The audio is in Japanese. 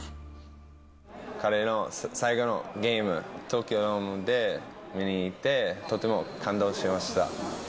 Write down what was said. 彼の最後のゲーム、東京ドームで見に行って、とても感動しました。